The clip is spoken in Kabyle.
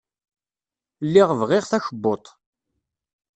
Lliɣ bɣiɣ takebbuḍt.